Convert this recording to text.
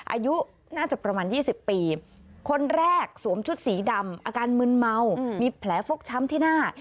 อายุน่าจะประมาณ๒๐ปีคนแรกสวมชุดสีดำอาการมึนเมามีแผลฟกช้ำที่หน้า